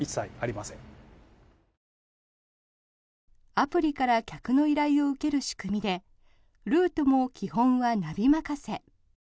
アプリから客の依頼を受ける仕組みでルートも基本はナビ任せ。